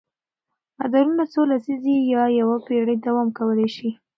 مدارونه څو لسیزې یا یوه پېړۍ دوام کولی شي.